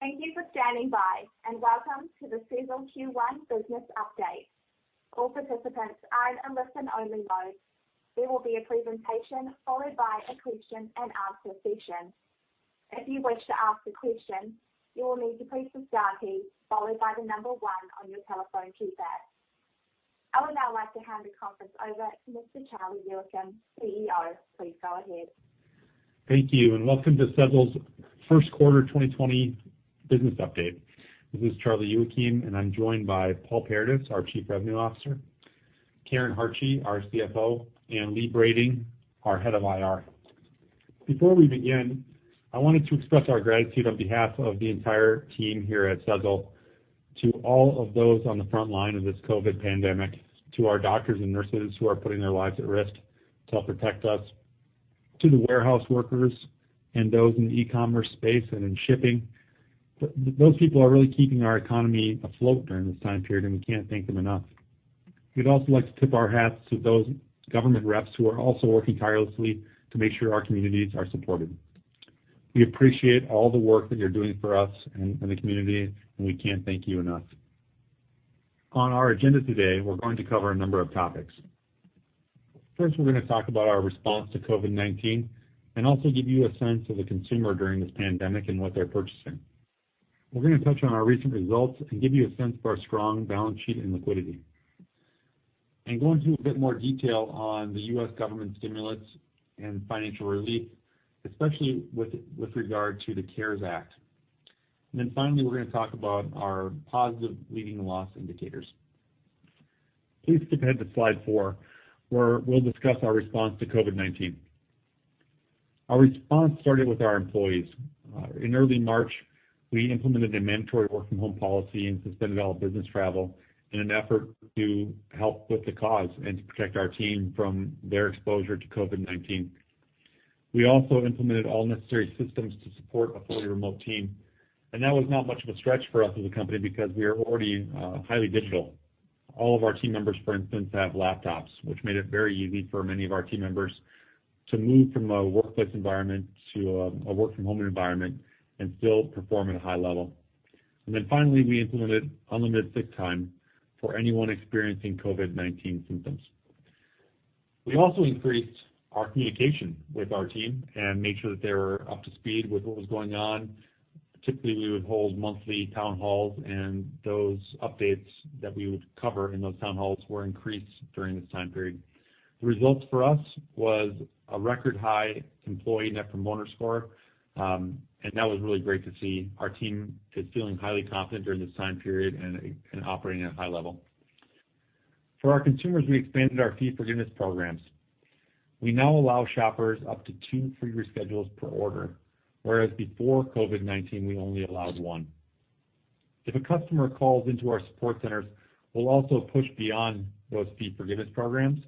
Thank you for standing by, and welcome to the Sezzle Q1 Business Update. All participants are in listen only mode. There will be a presentation followed by a question and answer session. If you wish to ask a question, you will need to press the star key followed by the number one on your telephone keypad. I would now like to hand the conference over to Mr. Charlie Youakim, CEO. Please go ahead. Thank you. Welcome to Sezzle's first quarter 2020 business update. This is Charlie Youakim. I'm joined by Paul Paradis, our Chief Revenue Officer, Karen Hartje, our CFO, and Lee Brading, our Head of IR. Before we begin, I wanted to express our gratitude on behalf of the entire team here at Sezzle to all of those on the front line of this COVID-19 pandemic, to our doctors and nurses who are putting their lives at risk to help protect us, to the warehouse workers and those in the e-commerce space and in shipping. Those people are really keeping our economy afloat during this time period. We can't thank them enough. We'd also like to tip our hats to those government reps who are also working tirelessly to make sure our communities are supported. We appreciate all the work that you're doing for us and the community, we can't thank you enough. On our agenda today, we're going to cover a number of topics. First, we're going to talk about our response to COVID-19 and also give you a sense of the consumer during this pandemic and what they're purchasing. We're going to touch on our recent results and give you a sense of our strong balance sheet and liquidity, go into a bit more detail on the U.S. government stimulus and financial relief, especially with regard to the CARES Act. Finally, we're going to talk about our positive leading loss indicators. Please skip ahead to Slide four, where we'll discuss our response to COVID-19. Our response started with our employees. In early March, we implemented a mandatory work from home policy and suspended all business travel in an effort to help with the cause and to protect our team from their exposure to COVID-19. We also implemented all necessary systems to support a fully remote team, and that was not much of a stretch for us as a company because we are already highly digital. All of our team members, for instance, have laptops, which made it very easy for many of our team members to move from a workplace environment to a work from home environment and still perform at a high level. Finally, we implemented unlimited sick time for anyone experiencing COVID-19 symptoms. We also increased our communication with our team and made sure that they were up to speed with what was going on. Typically, we would hold monthly town halls, and those updates that we would cover in those town halls were increased during this time period. The results for us was a record high employee net promoter score, and that was really great to see our team feeling highly confident during this time period and operating at a high level. For our consumers, we expanded our fee forgiveness programs. We now allow shoppers up to two free reschedules per order, whereas before COVID-19, we only allowed one. If a customer calls into our support centers, we'll also push beyond those fee forgiveness programs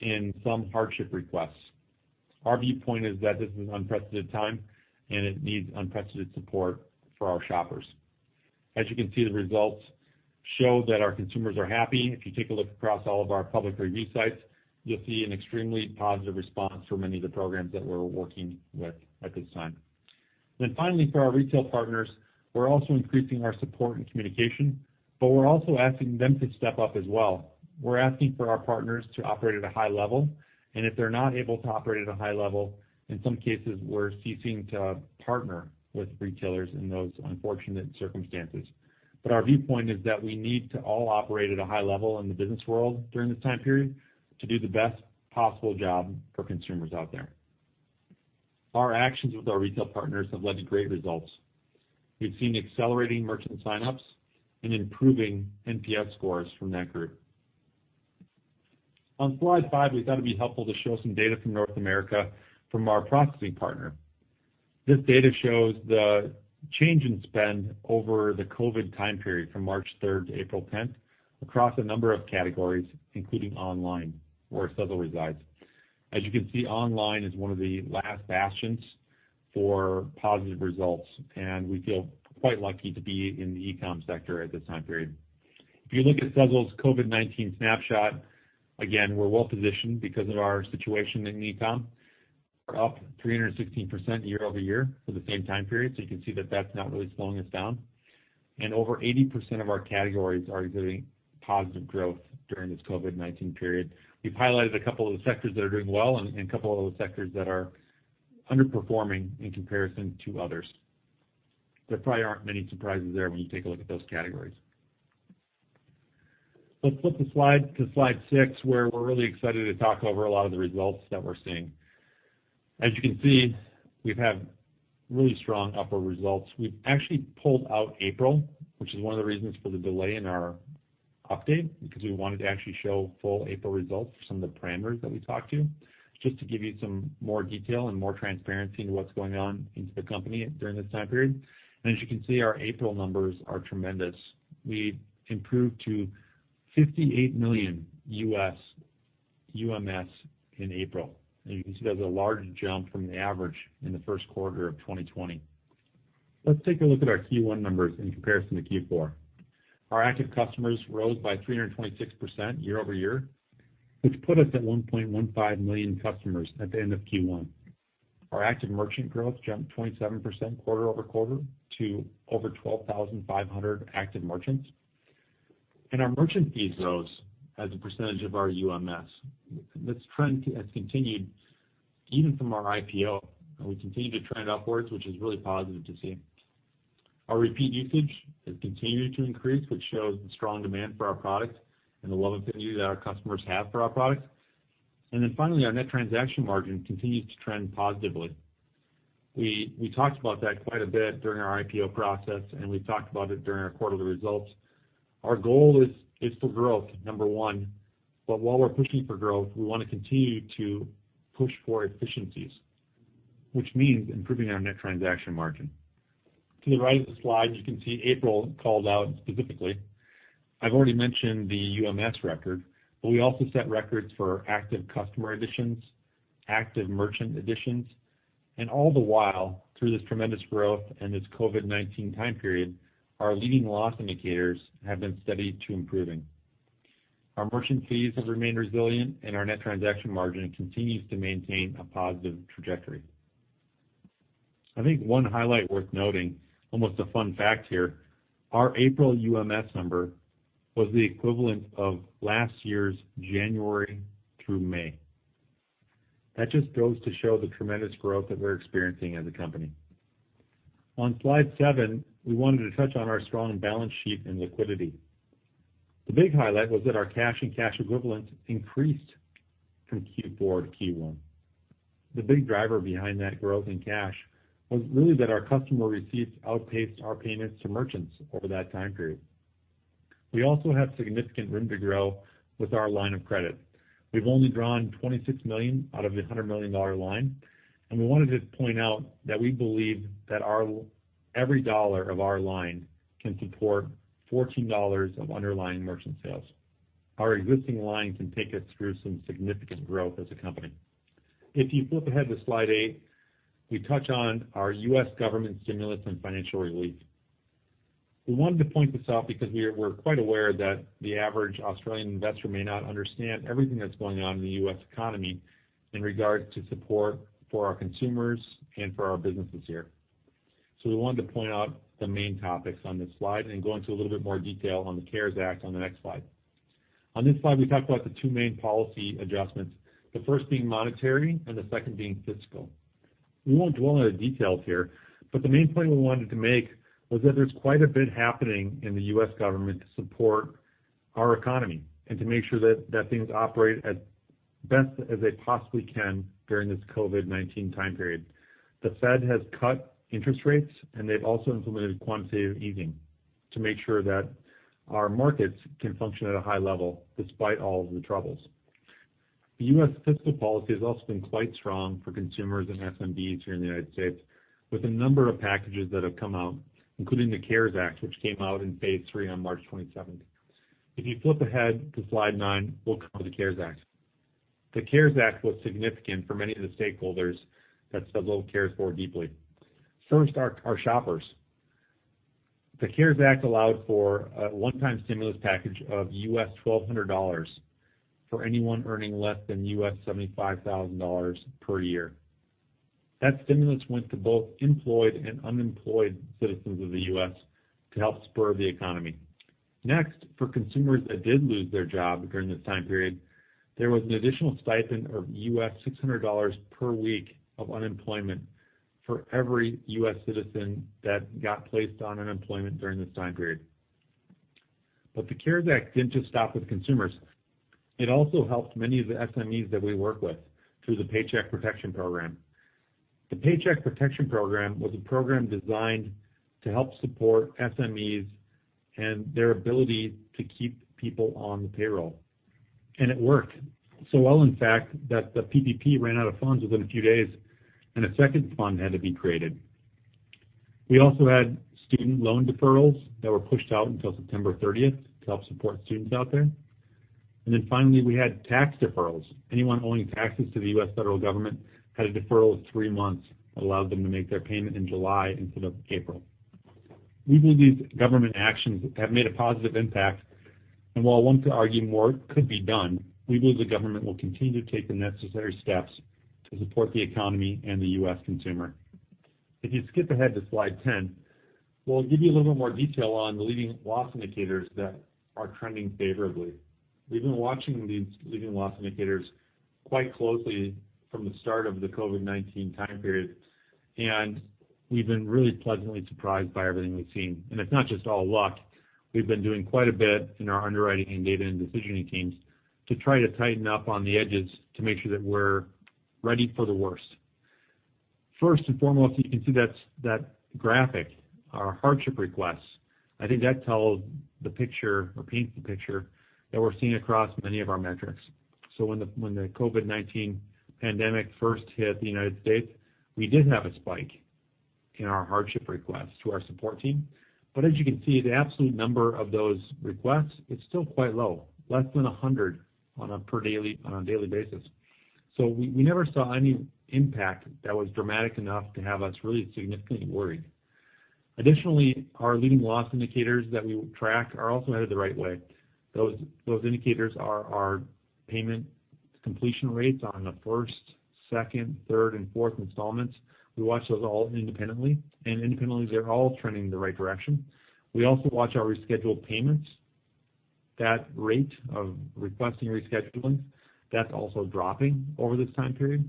in some hardship requests. Our viewpoint is that this is an unprecedented time and it needs unprecedented support for our shoppers. As you can see, the results show that our consumers are happy. If you take a look across all of our public review sites, you'll see an extremely positive response from many of the programs that we're working with at this time. Finally, for our retail partners, we're also increasing our support and communication, but we're also asking them to step up as well. We're asking for our partners to operate at a high level, and if they're not able to operate at a high level, in some cases, we're ceasing to partner with retailers in those unfortunate circumstances. Our viewpoint is that we need to all operate at a high level in the business world during this time period to do the best possible job for consumers out there. Our actions with our retail partners have led to great results. We've seen accelerating merchant sign-ups and improving NPS scores from that group. On Slide five, we thought it'd be helpful to show some data from North America from our proxy partner. This data shows the change in spend over the COVID-19 time period from March third to April 10th across a number of categories, including online, where Sezzle resides. As you can see, online is one of the last bastions for positive results, and we feel quite lucky to be in the e-com sector at this time period. If you look at Sezzle's COVID-19 snapshot, again, we're well-positioned because of our situation in e-com. We're up 316% year-over-year for the same time period, you can see that that's not really slowing us down. Over 80% of our categories are exhibiting positive growth during this COVID-19 period. We've highlighted a couple of the sectors that are doing well and a couple of the sectors that are underperforming in comparison to others. There probably aren't many surprises there when you take a look at those categories. Let's flip the slide to Slide six, where we're really excited to talk over a lot of the results that we're seeing. As you can see, we've had really strong upper results. We've actually pulled out April, which is one of the reasons for the delay in our update, because we wanted to actually show full April results for some of the parameters that we talked to, just to give you some more detail and more transparency into what's going on into the company during this time period. As you can see, our April numbers are tremendous. We improved to 58 million US UMS in April. You can see that was a large jump from the average in the first quarter of 2020. Let's take a look at our Q1 numbers in comparison to Q4. Our active customers rose by 326% year-over-year, which put us at one point one five million customers at the end of Q1. Our active merchant growth jumped 27% quarter-over-quarter to over 12,500 active merchants. Our merchant fees rose as a percentage of our UMS. This trend has continued even from our IPO. We continue to trend upwards, which is really positive to see. Our repeat usage has continued to increase, which shows the strong demand for our product and the love affinity that our customers have for our product. Finally, our net transaction margin continues to trend positively. We talked about that quite a bit during our IPO process, and we've talked about it during our quarterly results. Our goal is for growth, number one, but while we're pushing for growth, we want to continue to push for efficiencies, which means improving our net transaction margin. To the right of the slide, you can see April called out specifically. I've already mentioned the UMS record, but we also set records for active customer additions, active merchant additions, and all the while, through this tremendous growth and this COVID-19 time period, our leading loss indicators have been steady to improving. Our merchant fees have remained resilient, and our net transaction margin continues to maintain a positive trajectory. I think one highlight worth noting, almost a fun fact here, our April UMS number was the equivalent of last year's January through May. That just goes to show the tremendous growth that we're experiencing as a company. On slide seven, we wanted to touch on our strong balance sheet and liquidity. The big highlight was that our cash and cash equivalent increased from Q4 to Q1. The big driver behind that growth in cash was really that our customer receipts outpaced our payments to merchants over that time period. We also have significant room to grow with our line of credit. We've only drawn $26 million out of the $100 million line, and we wanted to point out that we believe that every dollar of our line can support $14 of underlying merchant sales. Our existing line can take us through some significant growth as a company. If you flip ahead to slide eight, we touch on our U.S. government stimulus and financial relief. We wanted to point this out because we're quite aware that the average Australian investor may not understand everything that's going on in the U.S. economy in regards to support for our consumers and for our businesses here. We wanted to point out the main topics on this slide and go into a little bit more detail on the CARES Act on the next slide. On this slide, we talk about the two main policy adjustments, the first being monetary and the second being fiscal. We won't dwell on the details here, but the main point we wanted to make was that there's quite a bit happening in the U.S. government to support our economy and to make sure that things operate as best as they possibly can during this COVID-19 time period. The Fed has cut interest rates, and they've also implemented quantitative easing to make sure that our markets can function at a high level despite all of the troubles. The U.S. fiscal policy has also been quite strong for consumers and SMBs here in the United States, with a number of packages that have come out, including the CARES Act, which came out in phase three on March 27th. If you flip ahead to slide nine, we'll cover the CARES Act. The CARES Act was significant for many of the stakeholders that Sezzle cares for deeply. First, our shoppers. The CARES Act allowed for a one-time stimulus package of $1,200 for anyone earning less than $75,000 per year. That stimulus went to both employed and unemployed citizens of the U.S. to help spur the economy. For consumers that did lose their job during this time period, there was an additional stipend of $600 per week of unemployment for every U.S. citizen that got placed on unemployment during this time period. The CARES Act didn't just stop with consumers. It also helped many of the SMEs that we work with through the Paycheck Protection Program. The Paycheck Protection Program was a program designed to help support SMEs and their ability to keep people on the payroll. It worked, so well in fact that the PPP ran out of funds within a few days and a second fund had to be created. We also had student loan deferrals that were pushed out until September 30th to help support students out there. Finally, we had tax deferrals. Anyone owing taxes to the U.S. federal government had a deferral of three months that allowed them to make their payment in July instead of April. We believe government actions have made a positive impact, and while one could argue more could be done, we believe the government will continue to take the necessary steps to support the economy and the U.S. consumer. If you skip ahead to slide 10, we'll give you a little bit more detail on the leading loss indicators that are trending favorably. We've been watching these leading loss indicators quite closely from the start of the COVID-19 time period, and we've been really pleasantly surprised by everything we've seen. And it's not just all luck. We've been doing quite a bit in our underwriting and data and decisioning teams to try to tighten up on the edges to make sure that we're ready for the worst. First and foremost, you can see that graphic, our hardship requests. I think that tells the picture or paints the picture that we're seeing across many of our metrics. When the COVID-19 pandemic first hit the United States, we did have a spike in our hardship requests to our support team. As you can see, the absolute number of those requests is still quite low, less than 100 on a daily basis. We never saw any impact that was dramatic enough to have us really significantly worried. Additionally, our leading loss indicators that we track are also headed the right way. Those indicators are our payment completion rates on the first, second, third, and fourth installments. We watch those all independently, and independently, they're all trending in the right direction. We also watch our rescheduled payments. That rate of requesting rescheduling, that's also dropping over this time period.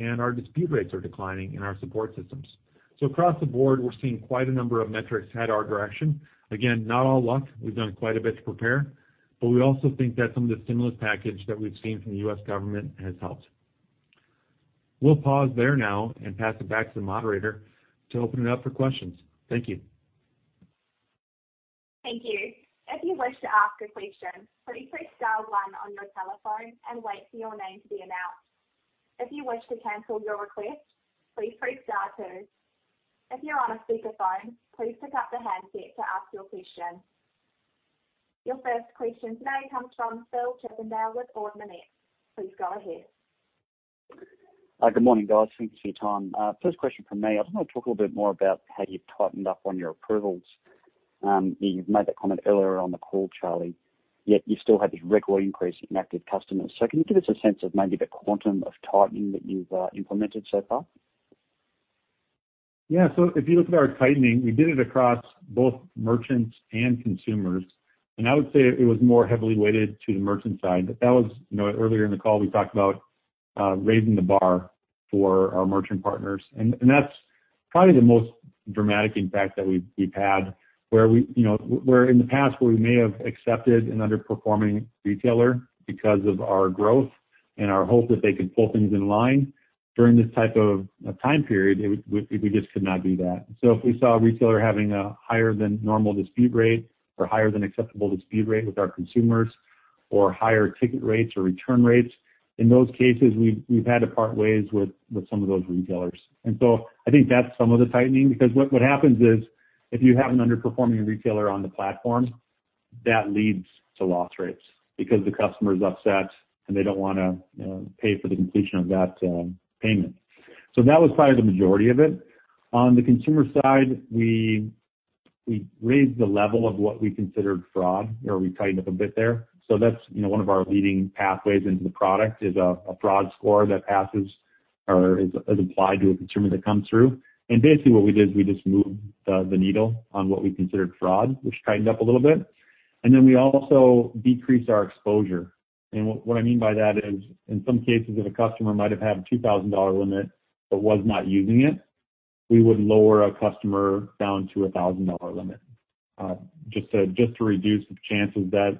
Our dispute rates are declining in our support systems. Across the board, we're seeing quite a number of metrics head our direction. Again, not all luck. We've done quite a bit to prepare, but we also think that some of the stimulus package that we've seen from the U.S. government has helped. We'll pause there now and pass it back to the moderator to open it up for questions. Thank you. Thank you. If you wish to ask a question, please press star one on your telephone and wait for your name to be announced. If you wish to cancel your request, please press star two. If you're on a speakerphone, please pick up the handset to ask your question. Your first question today comes from Phil Chippindale with Ord Minnett. Please go ahead. Good morning, guys. Thanks for your time. First question from me. I just want to talk a little bit more about how you've tightened up on your approvals. You've made that comment earlier on the call, Charlie, yet you still had this regular increase in active customers. Can you give us a sense of maybe the quantum of tightening that you've implemented so far? Yeah. If you look at our tightening, we did it across both merchants and consumers. I would say it was more heavily weighted to the merchant side. Earlier in the call, we talked about raising the bar for our merchant partners, and that's probably the most dramatic impact that we've had, where in the past where we may have accepted an underperforming retailer because of our growth and our hope that they could pull things in line. During this type of time period, we just could not do that. If we saw a retailer having a higher than normal dispute rate or higher than acceptable dispute rate with our consumers, or higher ticket rates or return rates, in those cases, we've had to part ways with some of those retailers. I think that's some of the tightening, because what happens is if you have an underperforming retailer on the platform, that leads to loss rates because the customer's upset and they don't want to pay for the completion of that payment. That was probably the majority of it. On the consumer side, we raised the level of what we considered fraud, or we tightened up a bit there. That's one of our leading pathways into the product is a fraud score that passes or is applied to a consumer that comes through. Basically what we did is we just moved the needle on what we considered fraud, which tightened up a little bit. Then we also decreased our exposure. What I mean by that is, in some cases, if a customer might have had a $2,000 limit but was not using it, we would lower a customer down to a $1,000 limit, just to reduce the chances that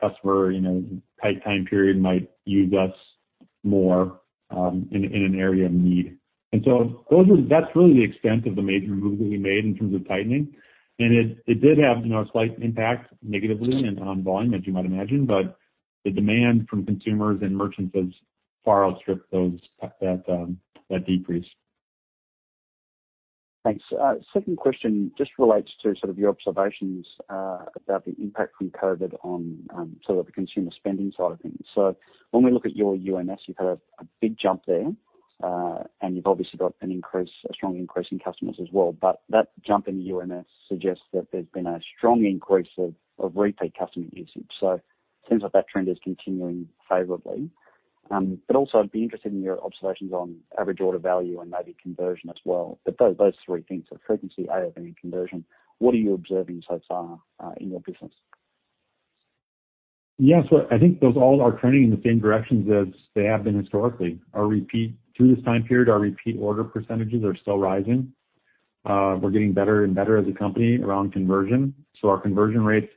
customer in this tight time period might use us more, in an area of need. That's really the extent of the major moves that we made in terms of tightening. It did have a slight impact negatively on volume, as you might imagine. The demand from consumers and merchants has far outstripped that decrease. Thanks. Second question just relates to sort of your observations about the impact from COVID on sort of the consumer spending side of things. When we look at your UMS, you've had a big jump there. You've obviously got a strong increase in customers as well. That jump in the UMS suggests that there's been a strong increase of repeat customer usage. It seems like that trend is continuing favorably. Also I'd be interested in your observations on average order value and maybe conversion as well. Those three things, so frequency, AOV, and conversion, what are you observing so far in your business? Yeah. I think those all are trending in the same directions as they have been historically. Through this time period, our repeat order percentages are still rising. We're getting better and better as a company around conversion. Our conversion rates,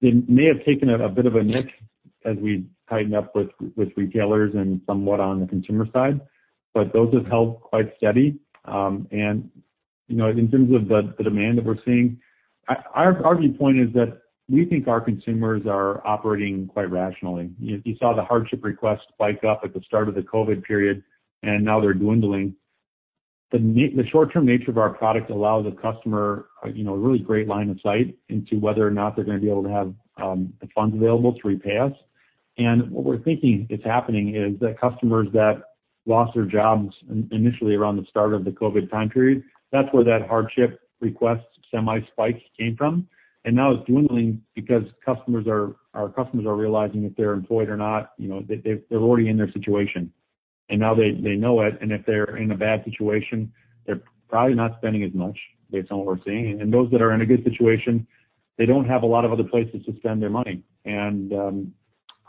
they may have taken a bit of a nick as we tightened up with retailers and somewhat on the consumer side, but those have held quite steady. In terms of the demand that we're seeing, our viewpoint is that we think our consumers are operating quite rationally. You saw the hardship request spike up at the start of the COVID period, and now they're dwindling. The short-term nature of our product allows a customer a really great line of sight into whether or not they're going to be able to have the funds available to repay us. What we're thinking is happening is that customers that lost their jobs initially around the start of the COVID time period, that's where that hardship request semi-spike came from. Now it's dwindling because our customers are realizing if they're employed or not, they're already in their situation, and now they know it. If they're in a bad situation, they're probably not spending as much based on what we're seeing. Those that are in a good situation, they don't have a lot of other places to spend their money.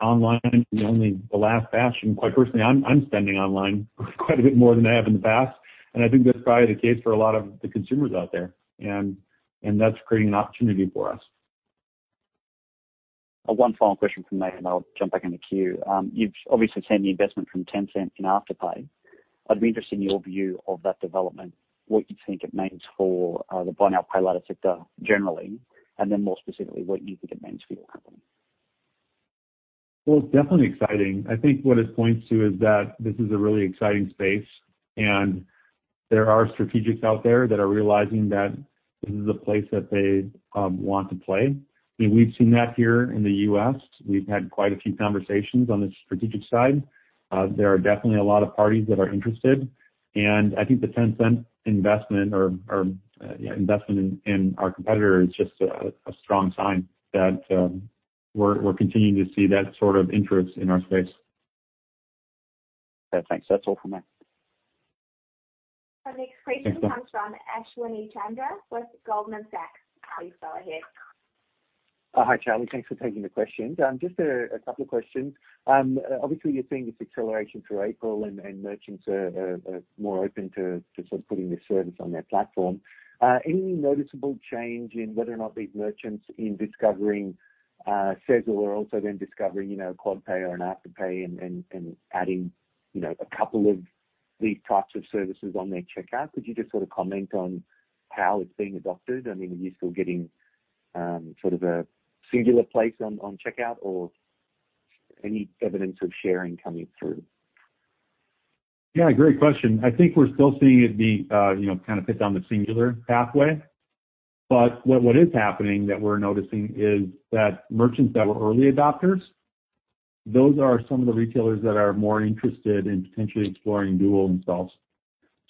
Online is the only the last bastion. Quite personally, I'm spending online quite a bit more than I have in the past, and I think that's probably the case for a lot of the consumers out there, and that's creating an opportunity for us. One final question from me, and I'll jump back in the queue. You've obviously seen the investment from Tencent in Afterpay. I'd be interested in your view of that development, what you think it means for the buy now, pay later sector generally, and then more specifically, what you think it means for your company. Well, it's definitely exciting. I think what it points to is that this is a really exciting space. There are strategics out there that are realizing that this is a place that they want to play. We've seen that here in the U.S. We've had quite a few conversations on the strategic side. There are definitely a lot of parties that are interested, and I think the Tencent investment in our competitor is just a strong sign that we're continuing to see that sort of interest in our space. Thanks. That's all from me. Our next question comes from Ashwini Chandra with Goldman Sachs. Please go ahead. Hi, Charlie. Thanks for taking the questions. Just a couple of questions. Obviously, you're seeing this acceleration through April and merchants are more open to putting this service on their platform. Any noticeable change in whether or not these merchants in discovering Sezzle are also then discovering QuadPay or Afterpay and adding a couple of these types of services on their checkout? Could you just comment on how it's being adopted? Are you still getting a singular place on checkout or any evidence of sharing coming through? Yeah. Great question. I think we're still seeing it be fit down the singular pathway. What is happening that we're noticing is that merchants that were early adopters, those are some of the retailers that are more interested in potentially exploring dual installs.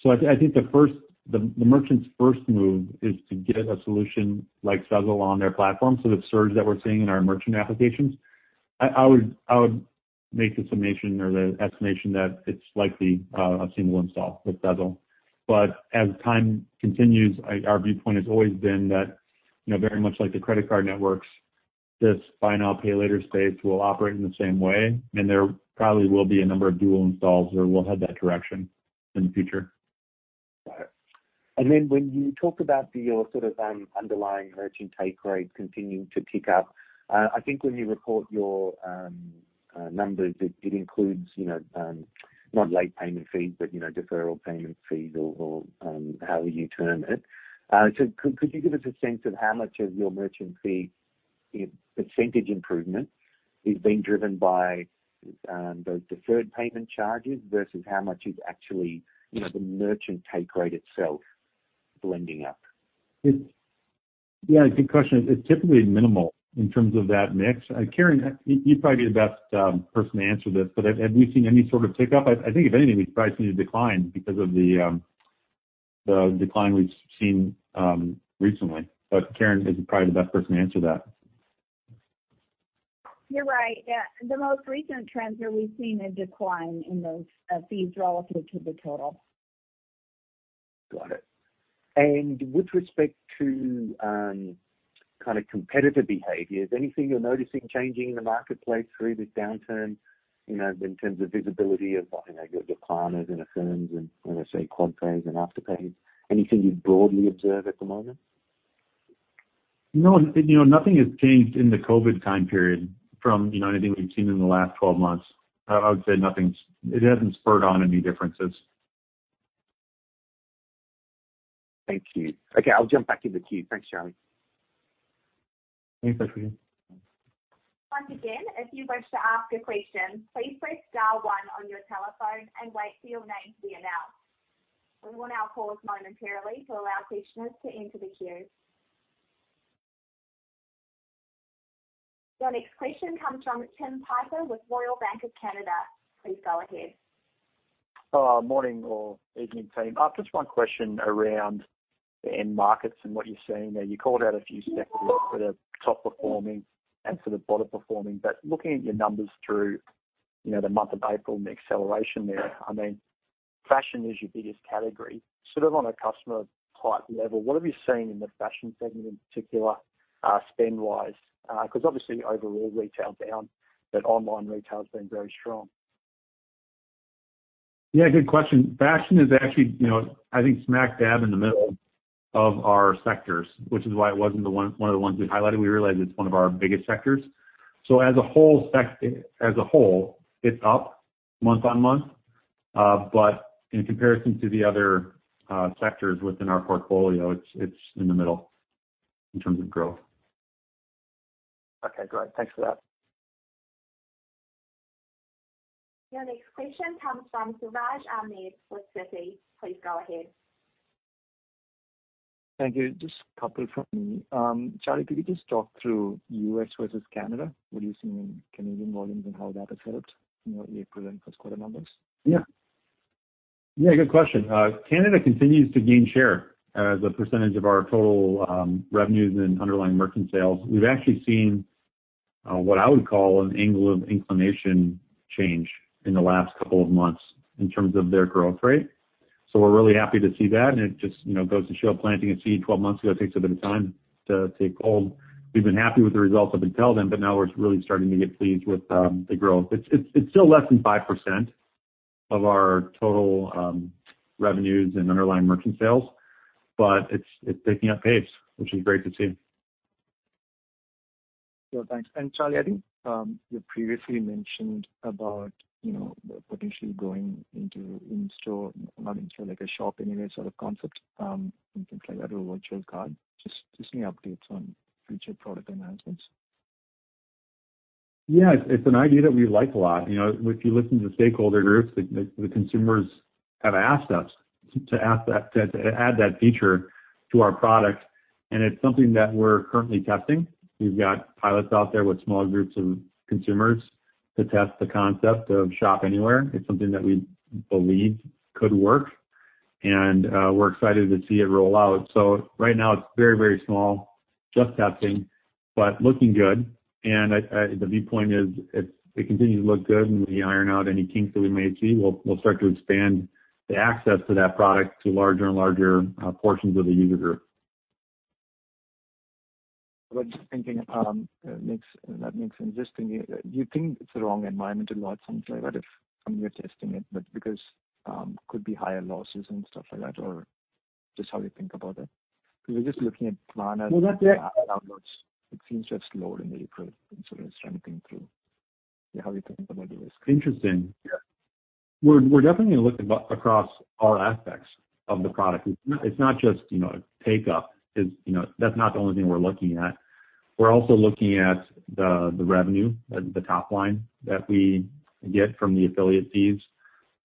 I think the merchant's first move is to get a solution like Sezzle on their platform. The surge that we're seeing in our merchant applications, I would make the summation or the estimation that it's likely a single install with Sezzle. As time continues, our viewpoint has always been that very much like the credit card networks, this buy now, pay later space will operate in the same way, and there probably will be a number of dual installs or we'll head that direction in the future. Got it. When you talk about your underlying merchant take rate continuing to tick up, I think when you report your numbers, it includes not late payment fees, but deferral payment fees or however you term it. Could you give us a sense of how much of your merchant fee percentage improvement is being driven by those deferred payment charges versus how much is actually the merchant take rate itself blending up? Yeah, good question. It's typically minimal in terms of that mix. Karen, you'd probably be the best person to answer this, but have we seen any sort of tick-up? I think if anything, we've probably seen a decline because of the decline we've seen recently. Karen is probably the best person to answer that. You're right. Yeah. The most recent trends are we've seen a decline in those fees relative to the total. Got it. With respect to competitor behaviors, anything you're noticing changing in the marketplace through this downturn, in terms of visibility of your Klarnas and Affirms and when I say QuadPays and Afterpays? Anything you broadly observe at the moment? No. Nothing has changed in the COVID time period from anything we've seen in the last 12 months. I would say it hasn't spurred on any differences. Thank you. Okay, I'll jump back in the queue. Thanks, Charlie. Thanks, Ashwini. Once again, if you wish to ask a question, please press star one on your telephone and wait for your name to be announced. We will now pause momentarily to allow listeners to enter the queue. Your next question comes from Tim Piper with Royal Bank of Canada. Please go ahead. Morning or evening, team. Just one question around end markets and what you're seeing there. You called out a few sectors that are top performing and sort of bottom performing, but looking at your numbers through the month of April and the acceleration there, fashion is your biggest category. Sort of on a customer type level, what have you seen in the fashion segment in particular, spend-wise? Because obviously overall retail down, but online retail has been very strong. Yeah, good question. Fashion is actually I think smack dab in the middle of our sectors, which is why it wasn't one of the ones we highlighted. We realize it's one of our biggest sectors. As a whole, it's up month-on-month. In comparison to the other sectors within our portfolio, it's in the middle in terms of growth. Okay. Great. Thanks for that. Your next question comes from Siraj Ahmed with Citi. Please go ahead. Thank you. Just a couple from me. Charlie, could you just talk through U.S. versus Canada, what you're seeing in Canadian volumes and how that has helped in your April and first quarter numbers? Yeah. Good question. Canada continues to gain share as a percentage of our total revenues and underlying merchant sales. We've actually seen what I would call an angle of inclination change in the last couple of months in terms of their growth rate. We're really happy to see that, and it just goes to show planting a seed 12 months ago takes a bit of time to take hold. We've been happy with the results up until then, but now we're really starting to get pleased with the growth. It's still less than five percent of our total revenues and underlying merchant sales, but it's picking up pace, which is great to see. Sure. Thanks. Charlie, I think you previously mentioned about potentially going into in-store, not in store, like a Sezzle Anywhere sort of concept, and things like that, or virtual card. Just any updates on future product enhancements? Yes, it's an idea that we like a lot. If you listen to stakeholder groups, the consumers have asked us to add that feature to our product, and it's something that we're currently testing. We've got pilots out there with small groups of consumers to test the concept of Sezzle Anywhere. It's something that we believe could work, and we're excited to see it roll out. Right now it's very small, just testing, but looking good. The viewpoint is, if it continues to look good and we iron out any kinks that we may see, we'll start to expand the access to that product to larger and larger portions of the user group. I was just thinking that makes sense. Just thinking, do you think it's the wrong environment a lot, something like that, if you're testing it, because could be higher losses and stuff like that, or just how you think about it? We're just looking at plan as- downwards. It seems to have slowed in the recent sort of strengthening through. How are you thinking about the risk? Interesting. We're definitely going to look across all aspects of the product. It's not just take-up. That's not the only thing we're looking at. We're also looking at the revenue, the top line that we get from the affiliate fees,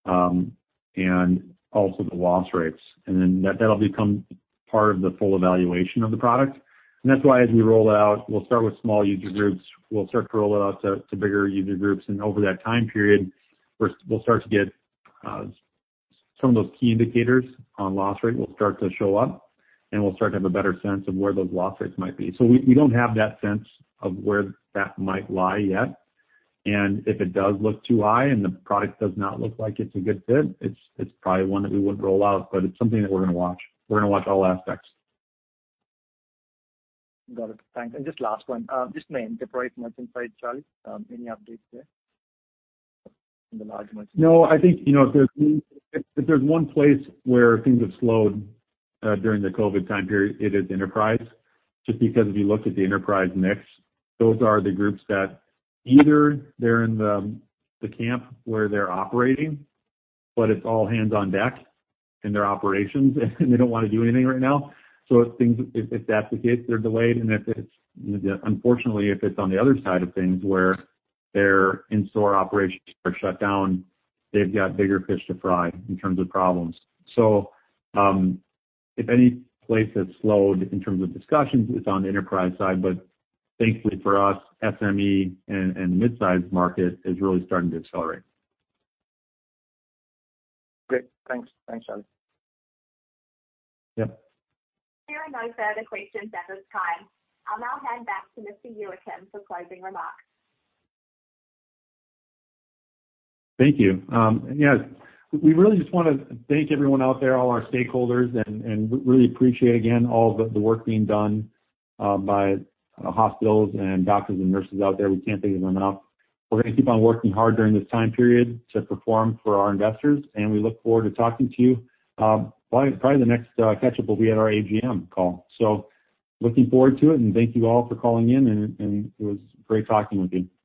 and also the loss rates. That'll become part of the full evaluation of the product. That's why as we roll it out, we'll start with small user groups. We'll start to roll it out to bigger user groups. Over that time period, we'll start to get some of those key indicators on loss rate will start to show up, and we'll start to have a better sense of where those loss rates might be. We don't have that sense of where that might lie yet. If it does look too high and the product does not look like it's a good fit, it's probably one that we wouldn't roll out, but it's something that we're going to watch. We're going to watch all aspects. Got it. Thanks. Just last one. Just on the enterprise merchant side, Charlie, any updates there in the large merchants? I think, if there's one place where things have slowed during the COVID-19 time period, it is enterprise. Because if you look at the enterprise mix, those are the groups that either they're in the camp where they're operating, but it's all hands on deck in their operations and they don't want to do anything right now. If that's the case, they're delayed, and unfortunately, if it's on the other side of things, where their in-store operations are shut down, they've got bigger fish to fry in terms of problems. If any place has slowed in terms of discussions, it's on the enterprise side. Thankfully for us, SME and midsize market is really starting to accelerate. Great. Thanks, Charlie. Yep. There are no further questions at this time. I'll now hand back to Mr. Youakim for closing remarks. Thank you. Yes, we really just want to thank everyone out there, all our stakeholders, and really appreciate again all of the work being done by hospitals and doctors and nurses out there. We can't thank them enough. We're going to keep on working hard during this time period to perform for our investors, and we look forward to talking to you. Probably the next catch-up will be at our AGM call. Looking forward to it, and thank you all for calling in, and it was great talking with you.